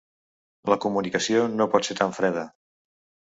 La comunicació no pot ser tan freda.